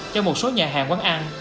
cho một số nhà hàng quán ăn